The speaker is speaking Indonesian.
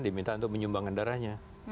diminta untuk menyumbangkan darahnya